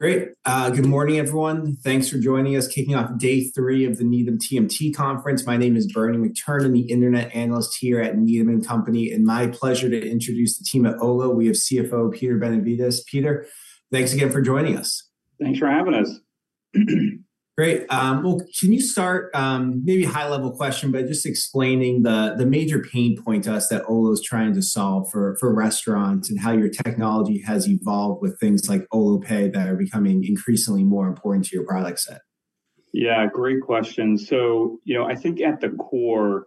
Great. Good morning, everyone. Thanks for joining us, kicking off day three of the Needham TMT Conference. My name is Bernie McTernan, the internet analyst here at Needham & Company, and my pleasure to introduce the team at Olo. We have CFO Peter Benevides. Peter, thanks again for joining us. Thanks for having us. Great. Well, can you start, maybe a high-level question, by just explaining the, the major pain point to us that Olo's trying to solve for, for restaurants, and how your technology has evolved with things like Olo Pay that are becoming increasingly more important to your product set? Yeah, great question. So, you know, I think at the core,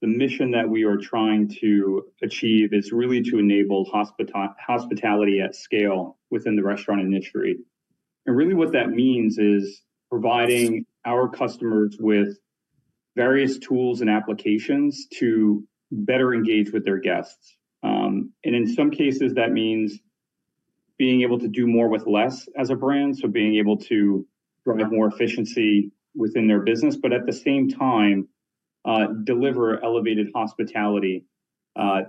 the mission that we are trying to achieve is really to enable hospitality at scale within the restaurant industry. And really what that means is providing our customers with various tools and applications to better engage with their guests. And in some cases, that means being able to do more with less as a brand, so being able to drive more efficiency within their business, but at the same time, deliver elevated hospitality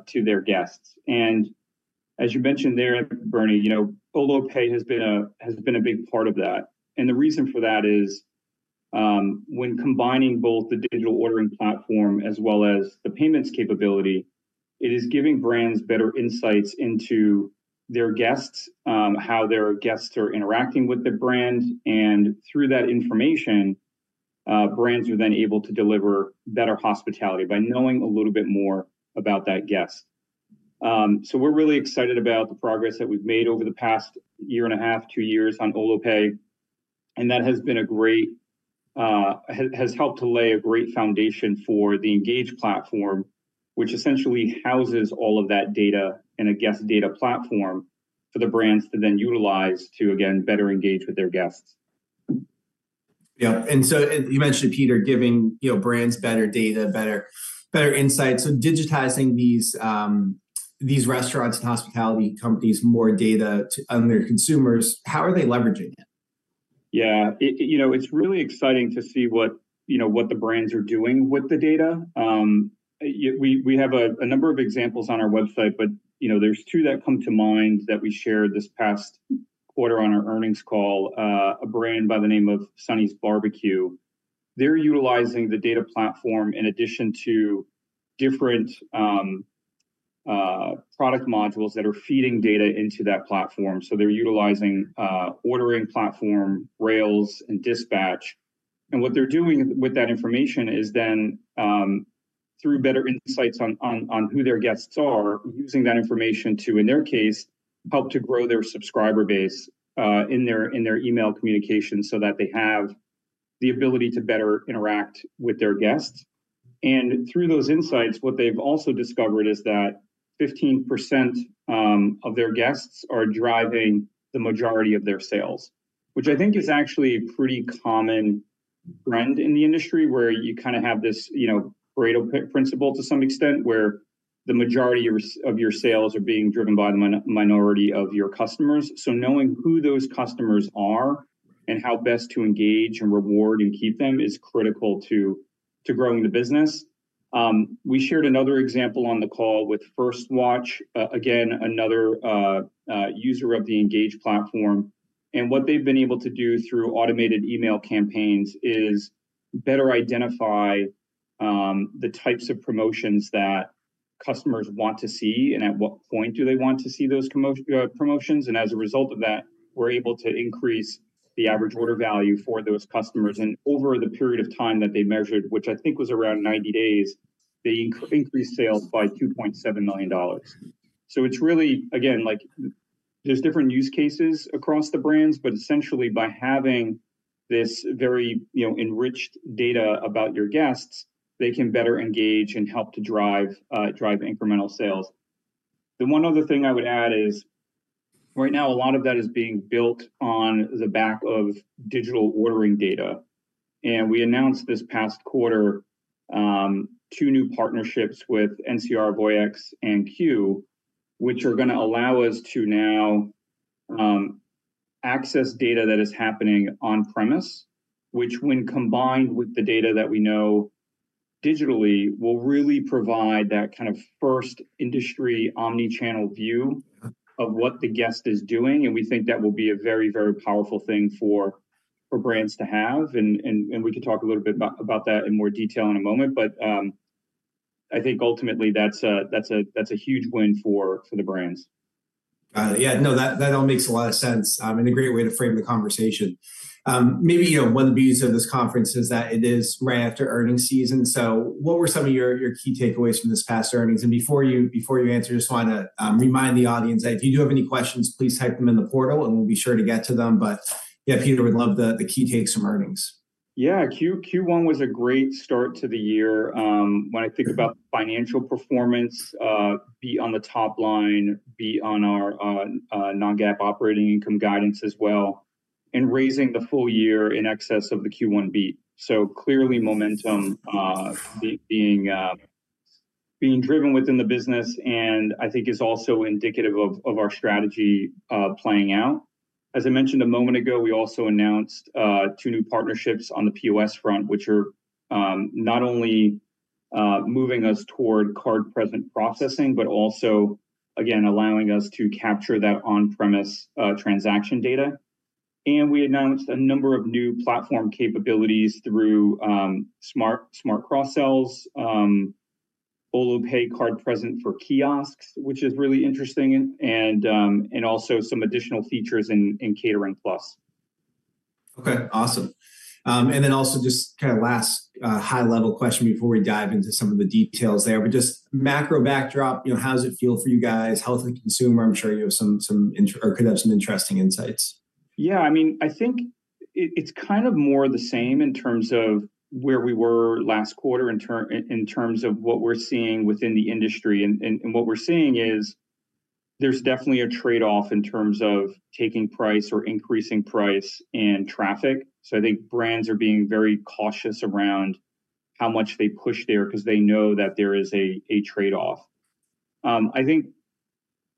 to their guests. And as you mentioned there, Bernie, you know, Olo Pay has been a big part of that, and the reason for that is, when combining both the digital ordering platform as well as the payments capability, it is giving brands better insights into their guests, how their guests are interacting with the brand. And through that information, brands are then able to deliver better hospitality by knowing a little bit more about that guest. So, we're really excited about the progress that we've made over the past year and a half, two years on Olo Pay, and that has been a great foundation for the Engage platform, which essentially houses all of that data in a guest data platform for the brands to then utilize to, again, better engage with their guests. Yeah. And so you mentioned, Peter, giving, you know, brands better data, better insights, so digitizing these restaurants and hospitality companies more data to on their consumers. How are they leveraging it? Yeah. It, you know, it's really exciting to see what, you know, what the brands are doing with the data. Yeah, we have a number of examples on our website, but, you know, there's two that come to mind that we shared this past quarter on our earnings call. A brand by the name of Sonny's BBQ, they're utilizing the data platform in addition to different product modules that are feeding data into that platform. So, they're utilizing Ordering platform, Rails, and Dispatch, and what they're doing with that information is then through better insights on who their guests are, using that information to, in their case, help to grow their subscriber base in their email communication so that they have the ability to better interact with their guests. Through those insights, what they've also discovered is that 15% of their guests are driving the majority of their sales, which I think is actually a pretty common trend in the industry, where you kind of have this, you know, Pareto principle to some extent where the majority of your sales are being driven by the minority of your customers. So, knowing who those customers are and how best to engage and reward and keep them is critical to growing the business. We shared another example on the call with First Watch, again, another user of the Engage platform. And what they've been able to do through automated email campaigns is better identify the types of promotions that customers want to see and at what point do they want to see those promotions. As a result of that, we're able to increase the average order value for those customers. Over the period of time that they measured, which I think was around 90 days, they increased sales by $2.7 million. So, it's really, again, like, there's different use cases across the brands, but essentially by having this very, you know, enriched data about your guests, they can better engage and help to drive, drive incremental sales. The one other thing I would add is, right now, a lot of that is being built on the back of digital ordering data, and we announced this past quarter two new partnerships with NCR Voyix and Qu, which are gonna allow us to now access data that is happening on premise, which, when combined with the data that we know digitally, will really provide that kind of first industry omni-channel view of what the guest is doing. And we think that will be a very, very powerful thing for brands to have, and we can talk a little bit about that in more detail in a moment. But I think ultimately, that's a huge win for the brands. Got it. Yeah, no, that, that all makes a lot of sense, and a great way to frame the conversation. Maybe, you know, one of the beauties of this conference is that it is right after earnings season, so what were some of your, your key takeaways from this past earnings? And before you, before you answer, I just wanna remind the audience that if you do have any questions, please type them in the portal, and we'll be sure to get to them. But yeah, Peter, we'd love the, the key takes from earnings. Yeah. Q1 was a great start to the year. When I think about financial performance, beat on the top line, beat on our non-GAAP operating income guidance as well, and raising the full year in excess of the Q1 beat. So clearly, momentum being driven within the business and I think is also indicative of our strategy playing out. As I mentioned a moment ago, we also announced two new partnerships on the POS front, which are not only moving us toward card-present processing, but also, again, allowing us to capture that on-premise transaction data. And we announced a number of new platform capabilities through Smart Cross-Sells, Olo Pay Card-Present for kiosks, which is really interesting, and also some additional features in Catering+. Okay, awesome. And then also, just kind of last, high-level question before we dive into some of the details there, but just macro backdrop, you know, how does it feel for you guys? Health of the consumer, I'm sure you have some or could have some interesting insights. Yeah, I mean, I think it's kind of more the same in terms of where we were last quarter in terms of what we're seeing within the industry. And what we're seeing is there's definitely a trade-off in terms of taking price or increasing price and traffic. So, I think brands are being very cautious around how much they push there because they know that there is a trade-off. I think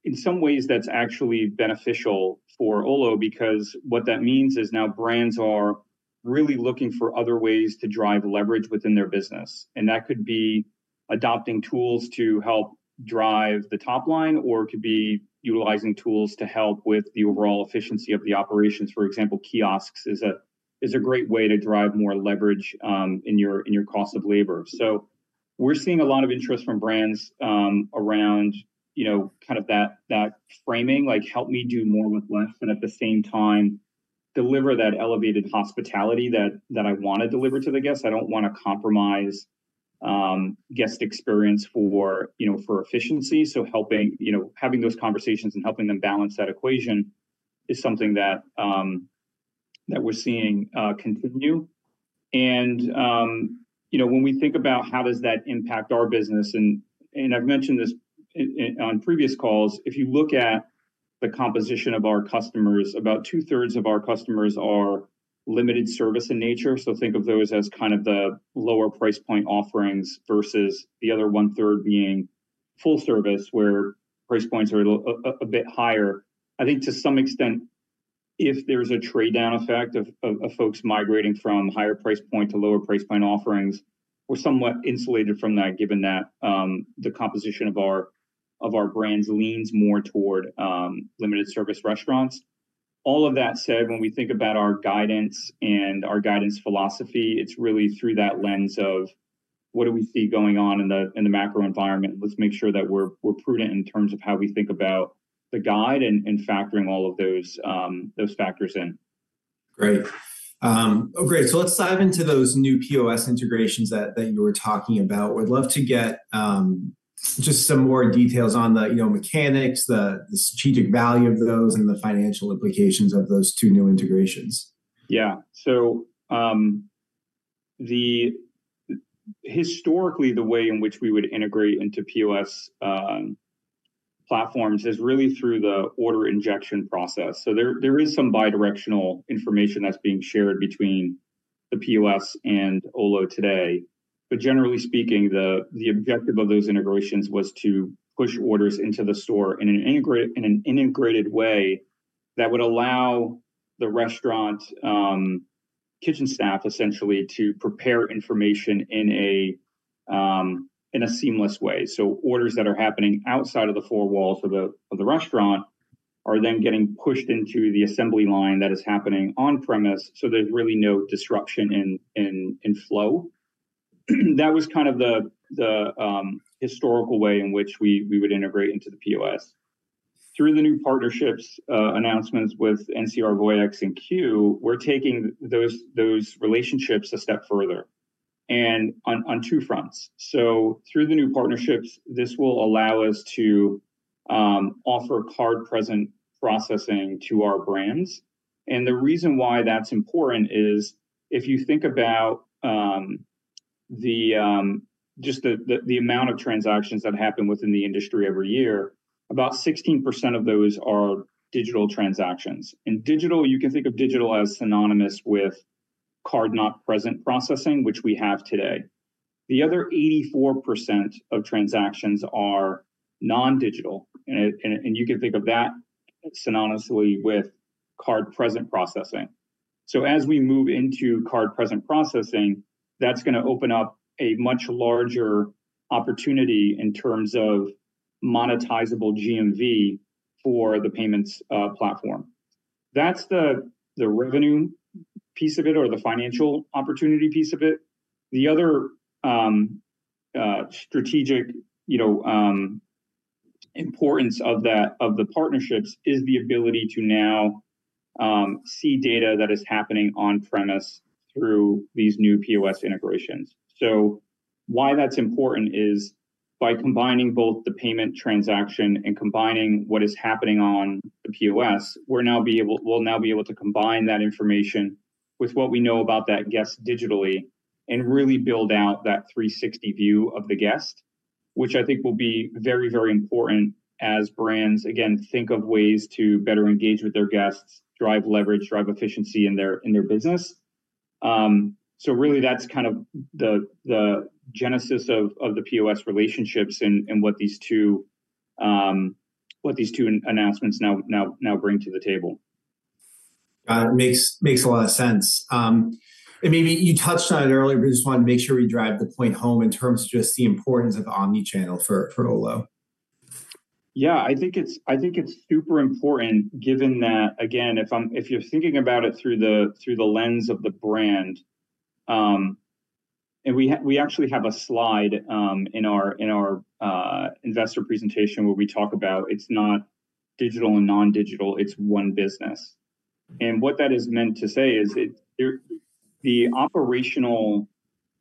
in some ways that's actually beneficial for Olo because what that means is now brands are really looking for other ways to drive leverage within their business, and that could be adopting tools to help drive the top line, or it could be utilizing tools to help with the overall efficiency of the operations. For example, kiosks is a great way to drive more leverage in your cost of labor. So, we're seeing a lot of interest from brands around you know kind of that framing. Like, "Help me do more with less and at the same time, deliver that elevated hospitality that I want to deliver to the guest. I don't want to compromise guest experience for you know for efficiency." So helping you know having those conversations and helping them balance that equation is something that we're seeing continue. And you know when we think about how does that impact our business, and I've mentioned this on previous calls, if you look at the composition of our customers, about two-thirds of our customers are limited service in nature. So think of those as kind of the lower price point offerings versus the other one-third being full service, where price points are a bit higher. I think to some extent, if there's a trade-down effect of folks migrating from higher price point to lower price point offerings, we're somewhat insulated from that, given that the composition of our brands leans more toward limited service restaurants. All of that said, when we think about our guidance and our guidance philosophy, it's really through that lens of what do we see going on in the macro environment. Let's make sure that we're prudent in terms of how we think about the guide and factoring all of those factors in. Great. Oh, great. Let's dive into those new POS integrations that you were talking about. Would love to get just some more details on the, you know, mechanics, the strategic value of those, and the financial implications of those two new integrations. Yeah. So, historically, the way in which we would integrate into POS platforms is really through the order injection process. So there is some bidirectional information that's being shared between the POS and Olo today, but generally speaking, the objective of those integrations was to push orders into the store in an integrated way that would allow the restaurant kitchen staff essentially to prepare information in a seamless way. So orders that are happening outside of the four walls of the restaurant are then getting pushed into the assembly line that is happening on premise, so there's really no disruption in flow. That was kind of the historical way in which we would integrate into the POS. Through the new partnerships announcements with NCR Voyix and Qu, we're taking those relationships a step further and on two fronts. So, through the new partnerships, this will allow us to offer card-present processing to our brands, and the reason why that's important is if you think about just the amount of transactions that happen within the industry every year, about 16% of those are digital transactions. And digital, you can think of digital as synonymous with card-not-present processing, which we have today. The other 84% of transactions are non-digital, and you can think of that synonymously with card-present processing. So as we move into card-present processing, that's going to open up a much larger opportunity in terms of monetizable GMV for the payments platform. That's the, the revenue piece of it or the financial opportunity piece of it. The other strategic, you know, importance of that, of the partnerships is the ability to now see data that is happening on-premise through these new POS integrations. So, why that's important is, by combining both the payment transaction and combining what is happening on the POS, we'll now be able to combine that information with what we know about that guest digitally and really build out that 360 view of the guest, which I think will be very, very important as brands, again, think of ways to better engage with their guests, drive leverage, drive efficiency in their, in their business. So really that's kind of the genesis of the POS relationships and what these two announcements now bring to the table.... It makes a lot of sense. And maybe you touched on it earlier, but just wanted to make sure we drive the point home in terms of just the importance of omni-channel for Olo. Yeah, I think it's super important given that, again, if you're thinking about it through the lens of the brand, and we actually have a slide in our investor presentation, where we talk about it's not digital and non-digital, it's one business. And what that is meant to say is there, the operational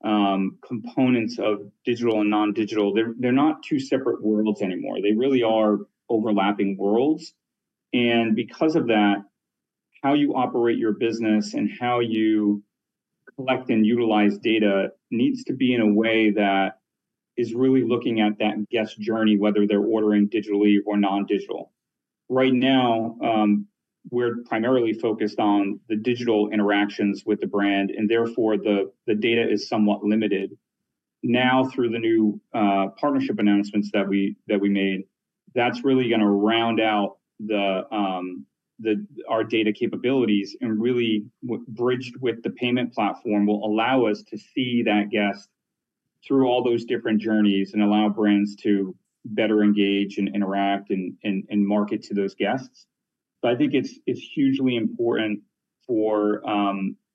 components of digital and non-digital, they're not two separate worlds anymore. They really are overlapping worlds, and because of that, how you operate your business and how you collect and utilize data needs to be in a way that is really looking at that guest journey, whether they're ordering digitally or non-digital. Right now, we're primarily focused on the digital interactions with the brand, and therefore, the data is somewhat limited. Now, through the new partnership announcements that we made, that's really gonna round out our data capabilities and really will bridge with the payment platform, will allow us to see that guest through all those different journeys and allow brands to better engage and interact and market to those guests. But I think it's hugely important for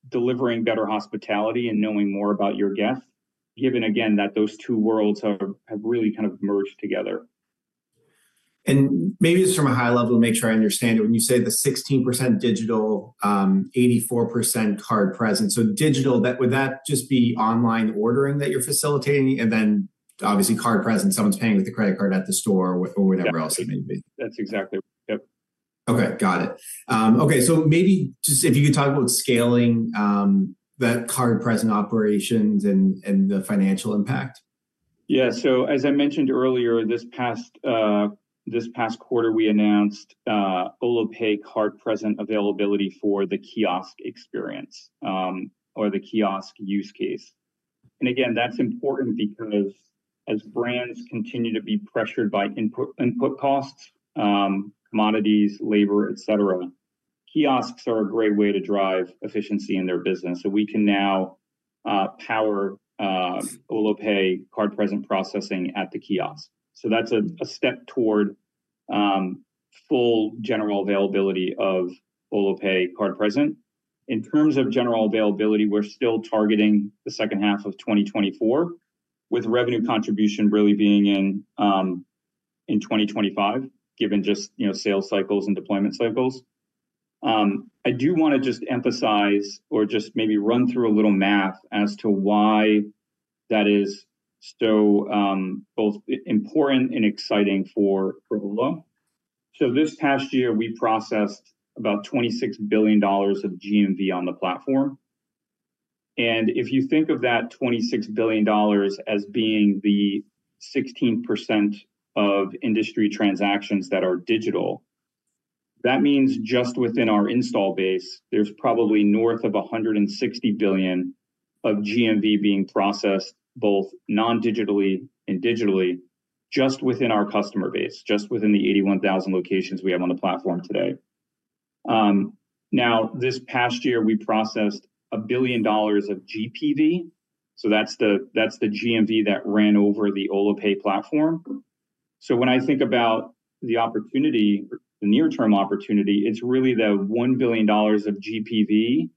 delivering better hospitality and knowing more about your guest, given again, that those two worlds have really kind of merged together. Maybe just from a high level to make sure I understand it, when you say the 16% digital, 84% card-present, so digital, that... Would that just be online ordering that you're facilitating? And then obviously, card-present, someone's paying with a credit card at the store or whatever else it may be. That's exactly it. Yep. Okay, got it. Okay, so maybe just if you could talk about scaling the Card-Present operations and the financial impact. Yeah. So, as I mentioned earlier, this past quarter, we announced Olo Pay Card-Present availability for the kiosk experience, or the kiosk use case. And again, that's important because as brands continue to be pressured by input costs, commodities, labor, et cetera, kiosks are a great way to drive efficiency in their business. So, we can now power Olo Pay Card-Present processing at the kiosk. So that's a step toward full general availability of Olo Pay Card-Present. In terms of general availability, we're still targeting the second half of 2024, with revenue contribution really being in 2025, given just, you know, sales cycles and deployment cycles. I do want to just emphasize or just maybe run through a little math as to why that is so, both important and exciting for Olo. So this past year, we processed about $26 billion of GMV on the platform, and if you think of that $26 billion as being the 16% of industry transactions that are digital, that means just within our install base, there's probably north of $160 billion of GMV being processed, both non-digitally and digitally, just within our customer base, just within the 81,000 locations we have on the platform today. Now, this past year, we processed $1 billion of GPV, so that's the, that's the GMV that ran over the Olo Pay platform. So, when I think about the opportunity, the near-term opportunity, it's really the $1 billion of GPV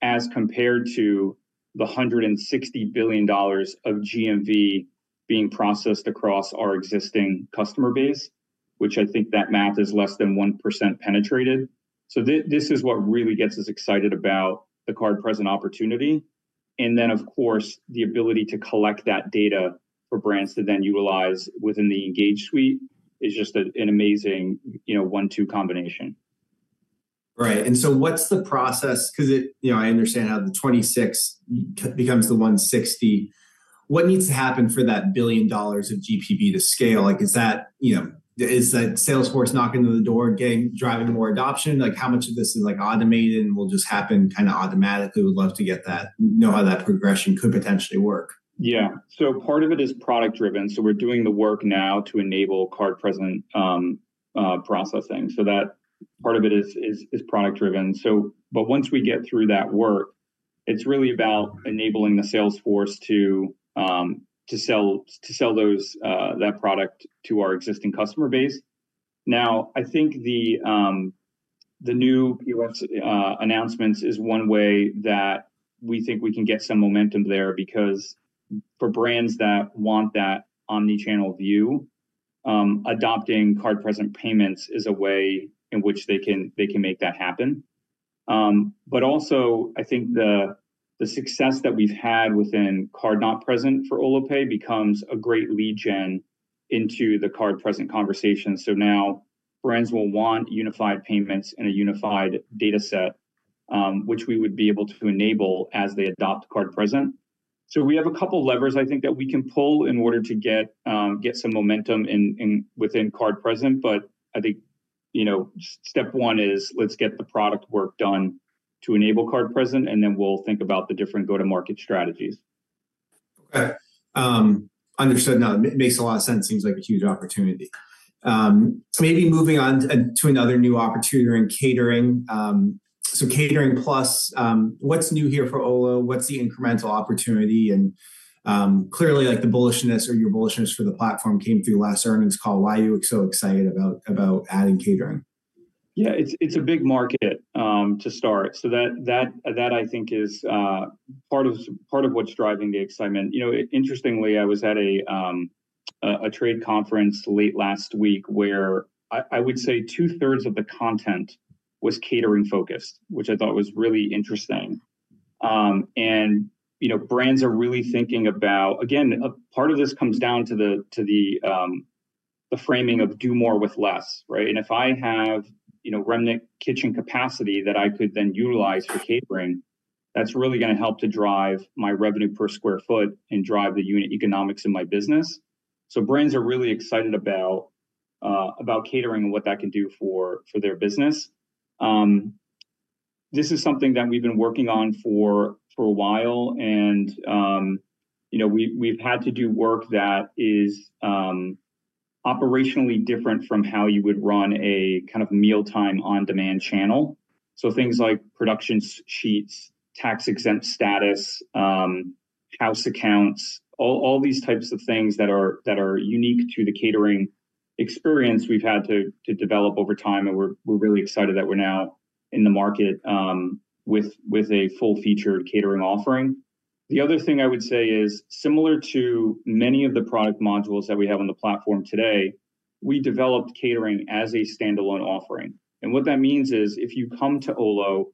as compared to the $160 billion of GMV being processed across our existing customer base, which I think that math is less than 1% penetrated. So this is what really gets us excited about the card-present opportunity, and then, of course, the ability to collect that data for brands to then utilize within the Engage suite is just a, an amazing, you know, one-two combination. Right. So, what's the process? 'Cause it... You know, I understand how the 26 becomes the 160. What needs to happen for that $1 billion of GPV to scale? Like, is that, you know, is that sales force knocking on the door, getting, driving more adoption? Like, how much of this is, like, automated and will just happen kind of automatically? Would love to get that, know how that progression could potentially work. Yeah. So, part of it is product driven, so we're doing the work now to enable card-present processing. So that part of it is product driven, so, but once we get through that work, it's really about enabling the sales force to sell that product to our existing customer base. Now, I think the new POS announcements is one way that we think we can get some momentum there because for brands that want that omni-channel view, adopting card-present payments is a way in which they can make that happen. But also, I think the success that we've had within card-not-present for Olo Pay becomes a great lead gen into the card-present conversation. So, now brands will want unified payments and a unified data set, which we would be able to enable as they adopt card-present. So, we have a couple levers I think that we can pull in order to get some momentum within card-present, but I think, you know, step one is let's get the product work done to enable card-present, and then we'll think about the different go-to-market strategies.... Okay, understood now. Makes a lot of sense. Seems like a huge opportunity. Maybe moving on to another new opportunity you're in catering. So Catering+, what's new here for Olo? What's the incremental opportunity? And clearly, like, the bullishness or your bullishness for the platform came through last earnings call. Why are you so excited about adding catering? Yeah, it's a big market to start. So that I think is part of what's driving the excitement. You know, interestingly, I was at a trade conference late last week, where I would say two-thirds of the content was catering-focused, which I thought was really interesting. And, you know, brands are really thinking about, again, a part of this comes down to the framing of do more with less, right? And if I have, you know, remnant kitchen capacity that I could then utilize for catering, that's really gonna help to drive my revenue per square foot and drive the unit economics in my business. So brands are really excited about catering and what that can do for their business. This is something that we've been working on for a while, and, you know, we, we've had to do work that is operationally different from how you would run a kind of mealtime on-demand channel. So things like production sheets, tax-exempt status, house accounts, all these types of things that are unique to the catering experience we've had to develop over time, and we're really excited that we're now in the market with a full-featured catering offering. The other thing I would say is, similar to many of the product modules that we have on the platform today, we developed catering as a standalone offering, and what that means is if you come to Olo,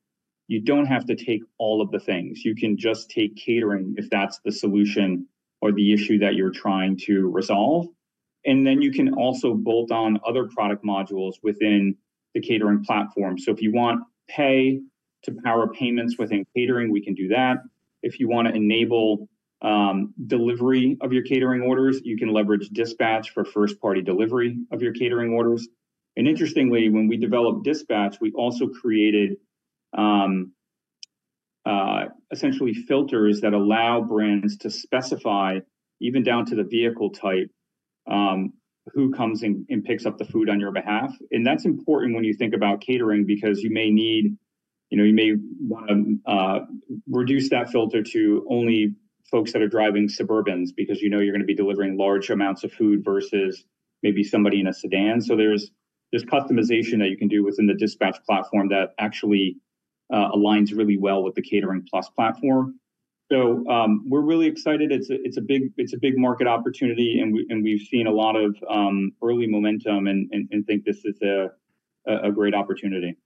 you don't have to take all of the things. You can just take catering if that's the solution or the issue that you're trying to resolve, and then you can also bolt on other product modules within the catering platform. So if you want Pay to power payments within catering, we can do that. If you wanna enable delivery of your catering orders, you can leverage Dispatch for first-party delivery of your catering orders. And interestingly, when we developed Dispatch, we also created essentially filters that allow brands to specify, even down to the vehicle type, who comes and picks up the food on your behalf. And that's important when you think about catering because you may need, you know, you may wanna reduce that filter to only folks that are driving Suburbans because you know you're gonna be delivering large amounts of food versus maybe somebody in a sedan. There's this customization that you can do within the Dispatch platform that actually aligns really well with the Catering+ platform. So, we're really excited. It's a big market opportunity, and we've seen a lot of early momentum and think this is a great opportunity.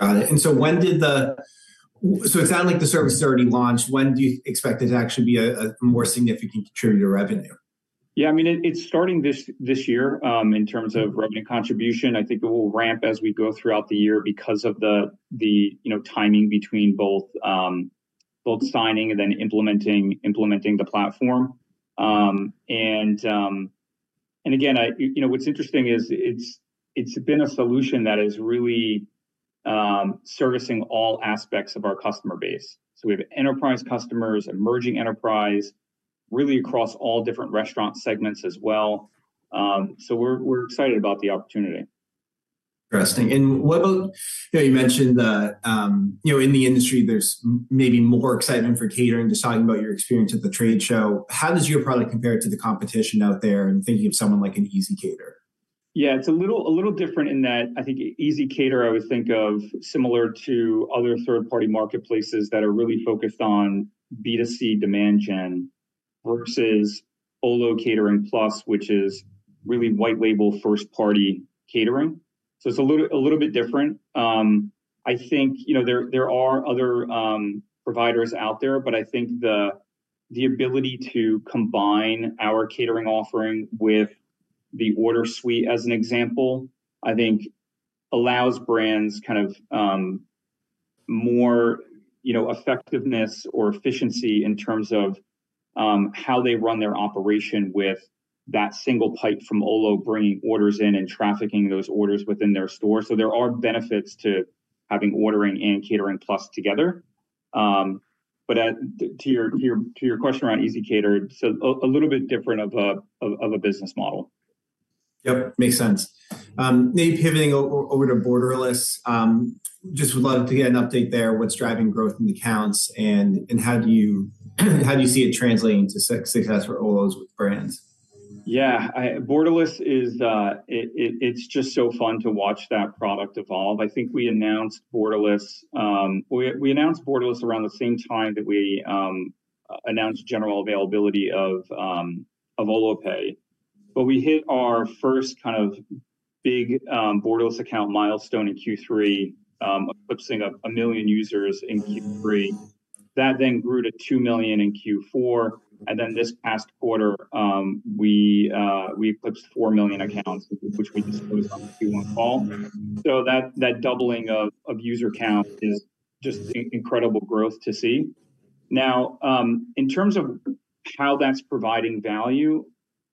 Got it. And so when did the... so it sounded like the service is already launched. When do you expect it to actually be a more significant contributor to revenue? Yeah, I mean, it's starting this year. In terms of revenue contribution, I think it will ramp as we go throughout the year because of the, you know, timing between both signing and then implementing the platform. And again, I, you know, what's interesting is it's been a solution that is really servicing all aspects of our customer base. So we have enterprise customers, emerging enterprise, really across all different restaurant segments as well. So we're excited about the opportunity. Interesting. And what about, you know, you mentioned that, you know, in the industry there's maybe more excitement for catering, just talking about your experience at the trade show. How does your product compare to the competition out there, and thinking of someone like ezCater? Yeah, it's a little different in that I think ezCater, I would think of similar to other third-party marketplaces that are really focused on B2C demand gen versus Olo Catering+, which is really white label first-party catering. So it's a little bit different. I think, you know, there are other providers out there, but I think the ability to combine our catering offering with the order suite, as an example, I think allows brands kind of more, you know, effectiveness or efficiency in terms of how they run their operation with that single pipe from Olo, bringing orders in and trafficking those orders within their store. So there are benefits to having ordering and Catering+ together. But at... To your question around ezCater, so a little bit different of a business model. Yep, makes sense. Maybe pivoting over to Borderless, just would love to get an update there. What's driving growth in the counts, and how do you see it translating to success for Olo's brands? Yeah, Borderless is, it's just so fun to watch that product evolve. I think we announced Borderless, we announced Borderless around the same time that we announced general availability of Olo Pay. But we hit our first kind of big Borderless account milestone in Q3, eclipsing 1 million users in Q3. That then grew to 2 million in Q4, and then this past quarter, we eclipsed 4 million accounts, which we disclosed on the Q1 call. So that doubling of user count is just incredible growth to see. Now, in terms of how that's providing value.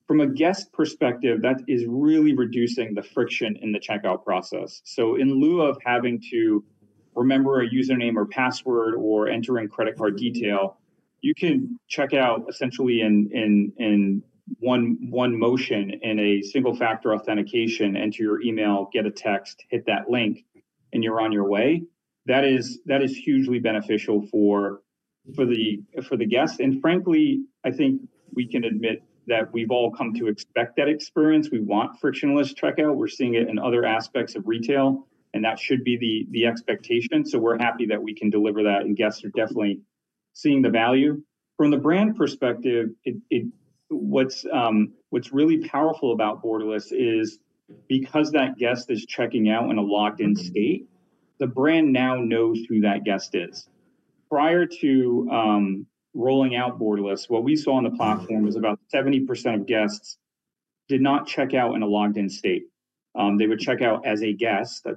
From a guest perspective, that is really reducing the friction in the checkout process. So in lieu of having to remember a username or password or enter in credit card detail, you can check out essentially in one motion in a single-factor authentication, enter your email, get a text, hit that link, and you're on your way. That is hugely beneficial for the guest, and frankly, I think we can admit that we've all come to expect that experience. We want frictionless checkout. We're seeing it in other aspects of retail, and that should be the expectation. So we're happy that we can deliver that, and guests are definitely seeing the value. From the brand perspective, what's really powerful about Borderless is because that guest is checking out in a logged-in state, the brand now knows who that guest is. Prior to rolling out Borderless, what we saw on the platform was about 70% of guests did not check out in a logged-in state. They would check out as a guest that...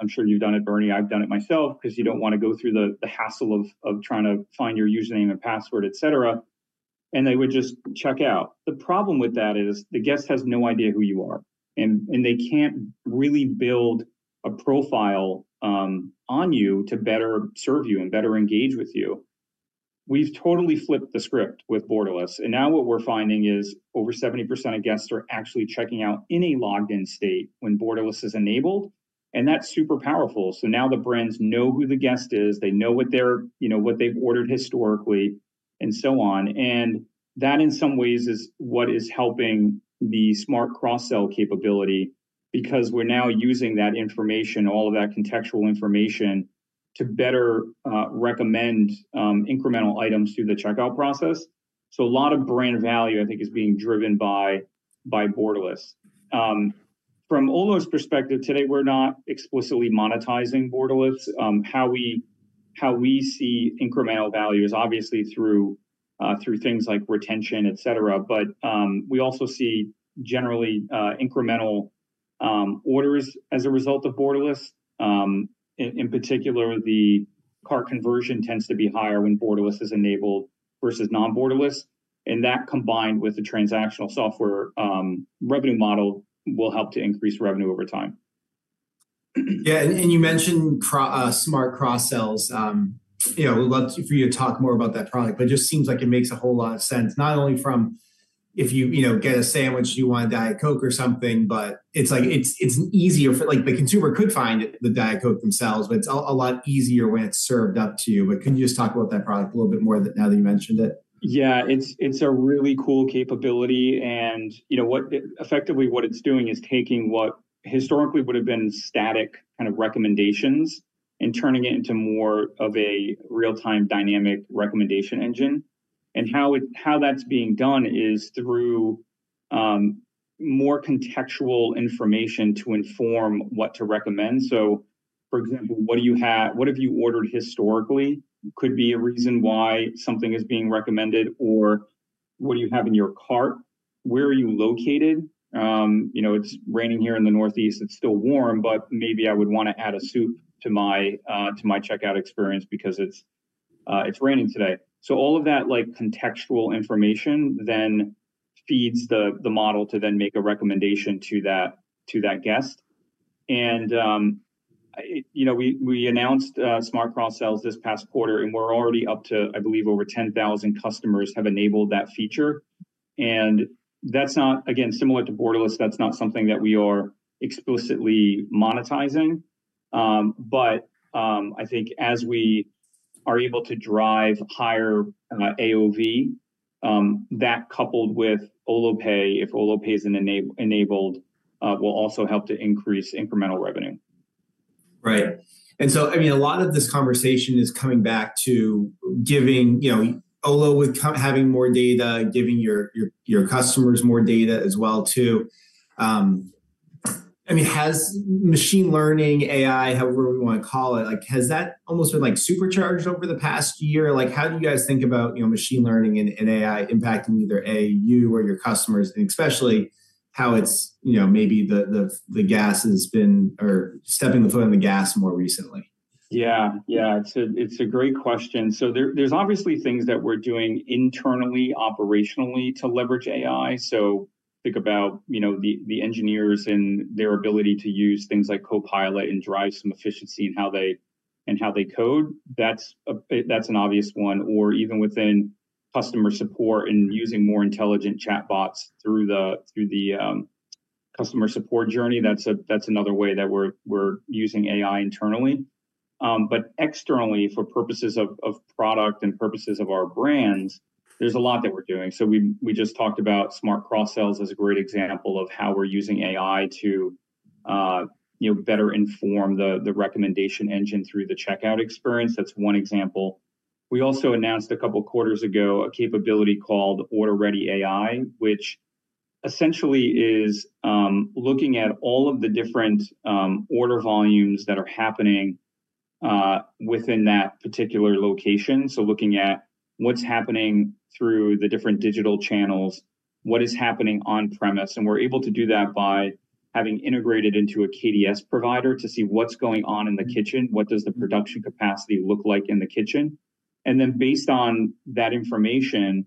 I'm sure you've done it, Bernie. I've done it myself. 'Cause you don't want to go through the, the hassle of trying to find your username and password, et cetera, and they would just check out. The problem with that is the guest has no idea who you are, and, and they can't really build a profile on you to better serve you and better engage with you. We've totally flipped the script with Borderless, and now what we're finding is over 70% of guests are actually checking out in a logged-in state when Borderless is enabled, and that's super powerful. So now the brands know who the guest is, they know what they're, you know, what they've ordered historically and so on, and that, in some ways, is what is helping the smart cross-sell capability. Because we're now using that information, all of that contextual information, to better recommend incremental items through the checkout process. So a lot of brand value, I think, is being driven by Borderless. From Olo's perspective, today, we're not explicitly monetizing Borderless. How we see incremental value is obviously through things like retention, et cetera, but we also see generally incremental orders as a result of Borderless. In particular, the cart conversion tends to be higher when Borderless is enabled versus non-Borderless, and that combined with the transactional software revenue model will help to increase revenue over time. Yeah, and you mentioned smart cross-sells. You know, we'd love for you to talk more about that product, but it just seems like it makes a whole lot of sense, not only from if you, you know, get a sandwich, you want a Diet Coke or something, but it's like it's easier for—like, the consumer could find the Diet Coke themselves, but it's a lot easier when it's served up to you. But can you just talk about that product a little bit more now that you mentioned it? Yeah, it's a really cool capability, and, you know what, effectively, what it's doing is taking what historically would have been static kind of recommendations and turning it into more of a real-time dynamic recommendation engine. And how that's being done is through more contextual information to inform what to recommend. So, for example, what do you have? What have you ordered historically could be a reason why something is being recommended or what do you have in your cart. Where are you located? You know, it's raining here in the Northeast. It's still warm, but maybe I would want to add a soup to my checkout experience because it's raining today. So all of that, like, contextual information then feeds the model to then make a recommendation to that guest. And, you know, we, we announced, Smart Cross-Sells this past quarter, and we're already up to... I believe, over 10,000 customers have enabled that feature, and that's not, again, similar to Borderless, that's not something that we are explicitly monetizing. But, I think as we are able to drive higher, AOV, that coupled with Olo Pay, if Olo Pay is enabled, will also help to increase incremental revenue. Right. And so, I mean, a lot of this conversation is coming back to giving, you know, Olo with c- having more data, giving your, your, your customers more data as well, too. I mean, has machine learning, AI, however we wanna call it, like, has that almost been, like, supercharged over the past year? Like, how do you guys think about, you know, machine learning and, and AI impacting either, A, you or your customers, and especially how it's, you know, maybe the, the, the gas has been or stepping the foot on the gas more recently? Yeah, yeah, it's a great question. So there's obviously things that we're doing internally, operationally to leverage AI. So think about, you know, the engineers and their ability to use things like Copilot and drive some efficiency in how they code. That's an obvious one, or even within customer support and using more intelligent chatbots through the customer support journey. That's another way that we're using AI internally. But externally, for purposes of product and purposes of our brands, there's a lot that we're doing. So we just talked about Smart Cross-Sells as a great example of how we're using AI to better inform the recommendation engine through the checkout experience. That's one example. We also announced a couple of quarters ago a capability called OrderReady AI, which essentially is looking at all of the different order volumes that are happening within that particular location. So looking at what's happening through the different digital channels, what is happening on-premise, and we're able to do that by having integrated into a KDS provider to see what's going on in the kitchen, what does the production capacity look like in the kitchen, and then based on that information,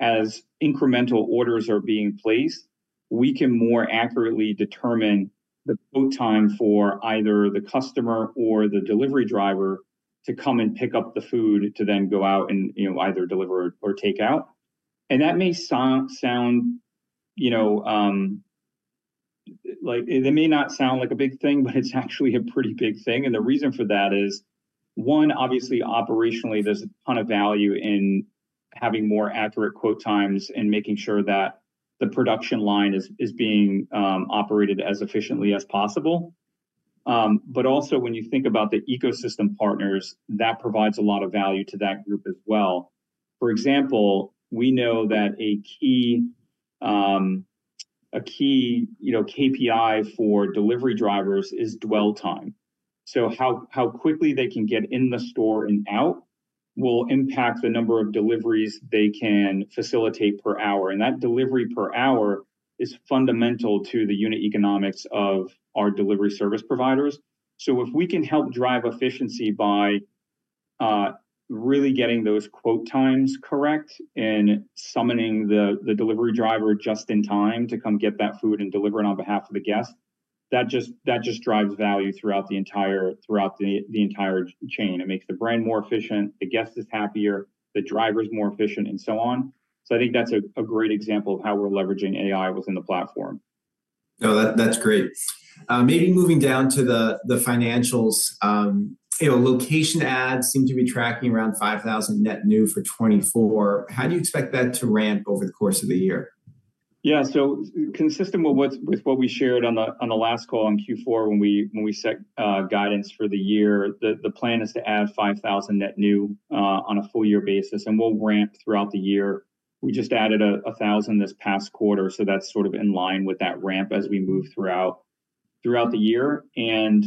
as incremental orders are being placed, we can more accurately determine the quote time for either the customer or the delivery driver to come and pick up the food, to then go out and, you know, either deliver or take out. That may sound, sound, you know, like, it may not sound like a big thing, but it's actually a pretty big thing. The reason for that is, one, obviously operationally, there's a ton of value in having more accurate quote times and making sure that the production line is being operated as efficiently as possible. But also when you think about the ecosystem partners, that provides a lot of value to that group as well. For example, we know that a key KPI for delivery drivers is dwell time. So how quickly they can get in the store and out will impact the number of deliveries they can facilitate per hour, and that delivery per hour is fundamental to the unit economics of our delivery service providers. So if we can help drive efficiency by really getting those quote times correct and summoning the delivery driver just in time to come get that food and deliver it on behalf of the guest, that just drives value throughout the entire chain. It makes the brand more efficient, the guest is happier, the driver's more efficient, and so on. So I think that's a great example of how we're leveraging AI within the platform. No, that, that's great. Maybe moving down to the, the financials, you know, location adds seem to be tracking around 5,000 net new for 2024. How do you expect that to ramp over the course of the year? Yeah, so consistent with what we shared on the last call on Q4 when we set guidance for the year, the plan is to add 5,000 net new on a full year basis, and we'll ramp throughout the year. We just added 1,000 this past quarter, so that's sort of in line with that ramp as we move throughout the year. And,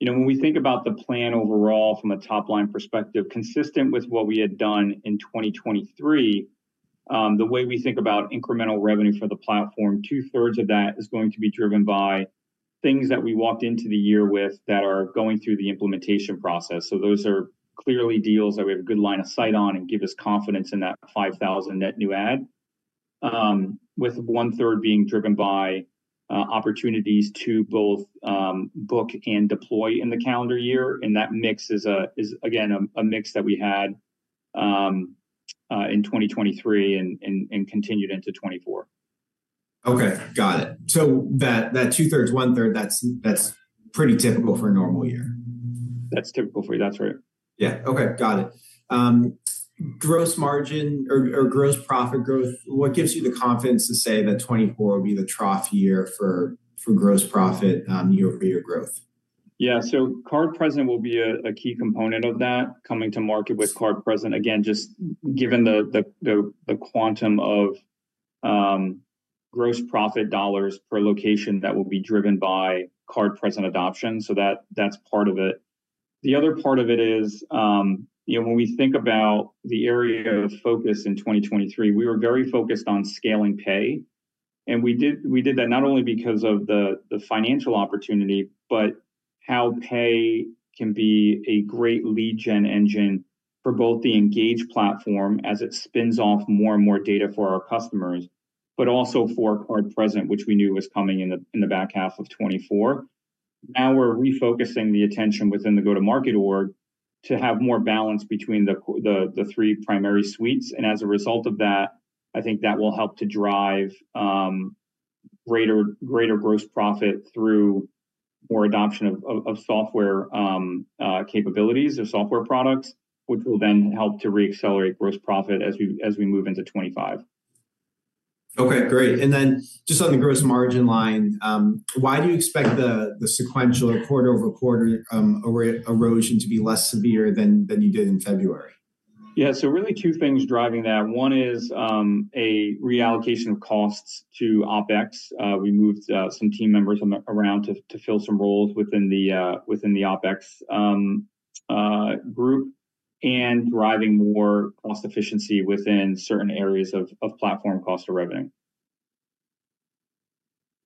you know, when we think about the plan overall from a top-line perspective, consistent with what we had done in 2023, the way we think about incremental revenue for the platform, two-thirds of that is going to be driven by things that we walked into the year with, that are going through the implementation process. So those are clearly deals that we have a good line of sight on and give us confidence in that 5,000 net new adds. With one-third being driven by opportunities to both book and deploy in the calendar year, and that mix is again a mix that we had in 2023 and continued into 2024. Okay, got it. So that, that two-thirds, one-third, that's, that's pretty typical for a normal year? That's typical for you. That's right. Yeah. Okay, got it. Gross margin or, or gross profit growth, what gives you the confidence to say that 2024 will be the trough year for, for gross profit, year-over-year growth? Yeah. So card-present will be a key component of that, coming to market with card-present. Again, just given the quantum of gross profit dollars per location, that will be driven by card-present adoption, so that's part of it. The other part of it is, you know, when we think about the area of focus in 2023, we were very focused on scaling pay, and we did that not only because of the financial opportunity, but how pay can be a great lead gen engine for both the Engage platform as it spins off more and more data for our customers, but also for card-present, which we knew was coming in the back half of 2024. Now we're refocusing the attention within the go-to-market org to have more balance between the three primary suites, and as a result of that, I think that will help to drive greater, greater gross profit through more adoption of, of, of software capabilities or software products, which will then help to reaccelerate gross profit as we, as we move into 2025. Okay, great. And then just on the gross margin line, why do you expect the sequential or quarter-over-quarter erosion to be less severe than you did in February? Yeah, so really two things driving that. One is a reallocation of costs to OpEx. We moved some team members around to fill some roles within the OpEx group, and driving more cost efficiency within certain areas of platform cost of revenue.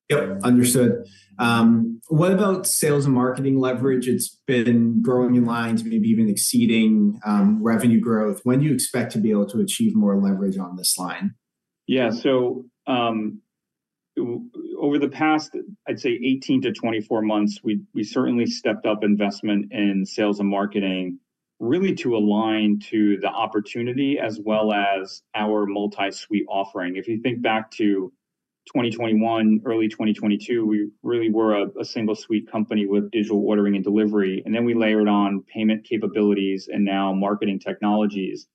Yep, understood. What about sales and marketing leverage? It's been growing in lines, maybe even exceeding, revenue growth. When do you expect to be able to achieve more leverage on this line? Yeah. So, over the past, I'd say 18-24 months, we certainly stepped up investment in sales and marketing, really to align to the opportunity as well as our multi-suite offering. If you think back to 2021, early 2022, we really were a single-suite company with digital ordering and delivery, and then we layered on payment capabilities and now marketing technologies.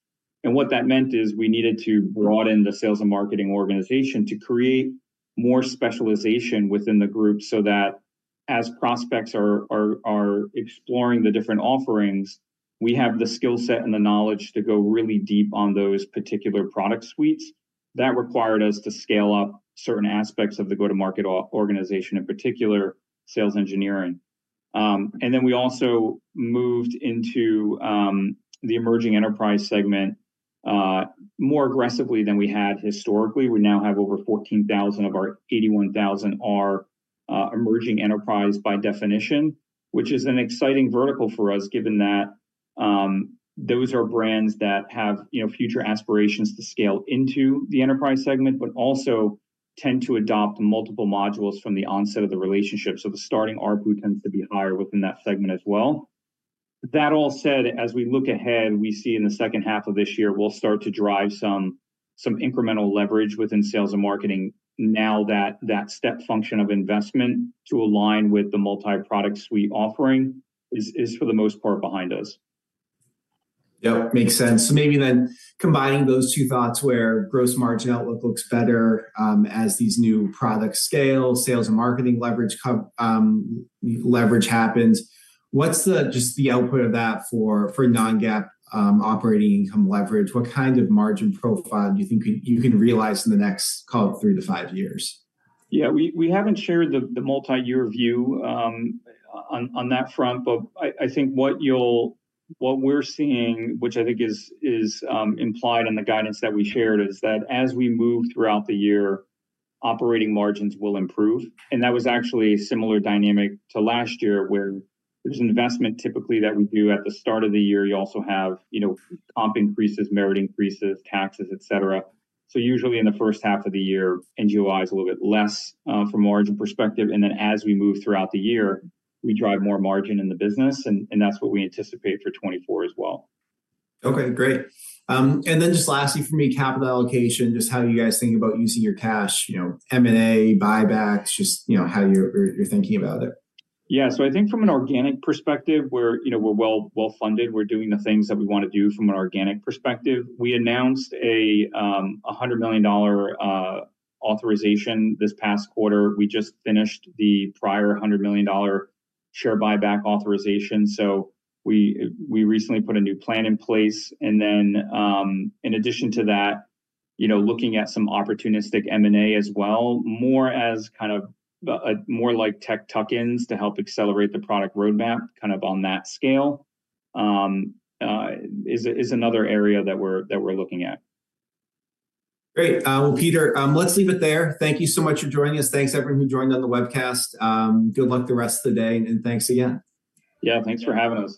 And what that meant is we needed to broaden the sales and marketing organization to create more specialization within the group so that as prospects are exploring the different offerings, we have the skill set and the knowledge to go really deep on those particular product suites. That required us to scale up certain aspects of the go-to-market organization, in particular, sales engineering. And then we also moved into the emerging enterprise segment-... more aggressively than we had historically. We now have over 14,000 of our 81,000 are emerging enterprise by definition, which is an exciting vertical for us, given that those are brands that have, you know, future aspirations to scale into the enterprise segment, but also tend to adopt multiple modules from the onset of the relationship. So the starting ARPU tends to be higher within that segment as well. That all said, as we look ahead, we see in the second half of this year, we'll start to drive some incremental leverage within sales and marketing now that that step function of investment to align with the multi-product suite offering is, for the most part, behind us. Yep, makes sense. So maybe then combining those two thoughts where gross margin outlook looks better, as these new products scale, sales and marketing leverage co, leverage happens, what's the, just the output of that for, for non-GAAP operating income leverage? What kind of margin profile do you think you, you can realize in the next, call it, three to five years? Yeah, we haven't shared the multi-year view on that front, but I think what we're seeing, which I think is implied in the guidance that we shared, is that as we move throughout the year, operating margins will improve. And that was actually a similar dynamic to last year, where there's an investment typically that we do at the start of the year. You also have, you know, comp increases, merit increases, taxes, et cetera. So usually in the first half of the year, NGOI is a little bit less from a margin perspective, and then, as we move throughout the year, we drive more margin in the business, and that's what we anticipate for 2024 as well. Okay, great. And then just lastly from me, capital allocation, just how you guys think about using your cash, you know, M&A, buybacks, just, you know, how you're thinking about it. Yeah. So I think from an organic perspective, we're, you know, we're well, well-funded. We're doing the things that we want to do from an organic perspective. We announced a $100 million authorization this past quarter. We just finished the prior $100 million share buyback authorization, so we, we recently put a new plan in place, and then, in addition to that, you know, looking at some opportunistic M&A as well, more as kind of a, more like tech tuck-ins to help accelerate the product roadmap, kind of on that scale, is another area that we're, that we're looking at. Great. Well, Peter, let's leave it there. Thank you so much for joining us. Thanks, everyone who joined on the webcast. Good luck the rest of the day, and thanks again. Yeah, thanks for having us.